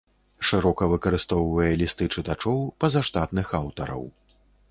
Шырока выкарыстоўвае лісты чытачоў, пазаштатных аўтараў.